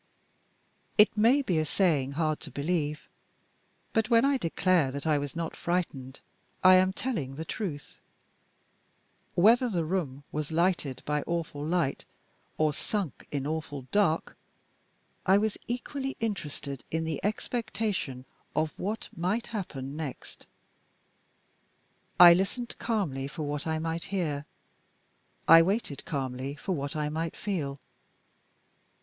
It may be a saying hard to believe but, when I declare that I was not frightened, I am telling the truth. Whether the room was lighted by awful light, or sunk in awful dark, I was equally interested in the expectation of what might happen next. I listened calmly for what I might hear: I waited calmly for what I might feel.